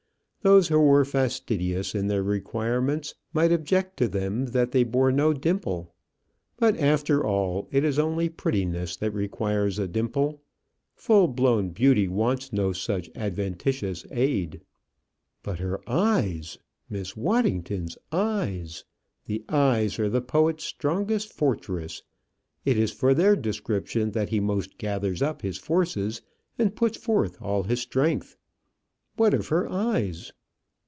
Those who were fastidious in their requirements might object to them that they bore no dimple; but after all, it is only prettiness that requires a dimple: full blown beauty wants no such adventitious aid. But her eyes! Miss Waddington's eyes! The eyes are the poet's strongest fortress; it is for their description that he most gathers up his forces and puts forth all his strength. What of her eyes?